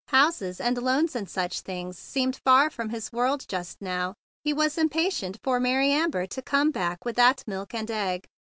Houses and loans and such things seemed far from his world just now. He was impatient for Mary Amber to come back with that milk and egg.